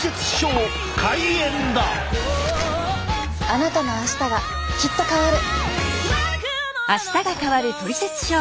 あなたの明日がきっと変わる。